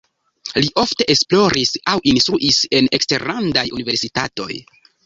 Li ofte esploris aŭ instruis en eksterlandaj universitatoj.